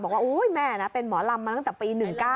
โอ๊ยแม่นะเป็นหมอลำมาตั้งแต่ปี๑๙